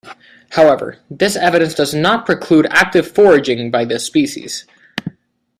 However, this evidence does not preclude active foraging by this species.